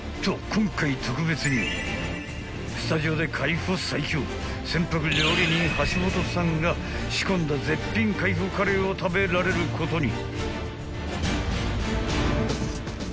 今回特別にスタジオで海保最強船舶料理人橋本さんが仕込んだ絶品海保カレーを食べられることに］